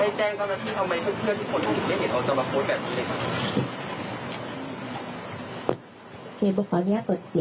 ให้แจ้งกันทำไมเค้กเพื่อนก็ไม่เห็นเอามาโพสต์แบบนี้